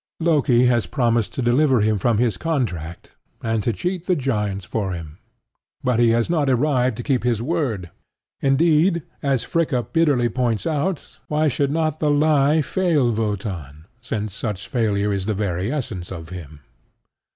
Loki has promised to deliver him from his contract, and to cheat the giants for him; but he has not arrived to keep his word: indeed, as Fricka bitterly points out, why should not the Lie fail Wotan, since such failure is the very essence of him?